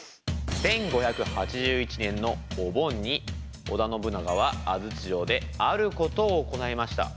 １５８１年のお盆に織田信長は安土城であることを行いました。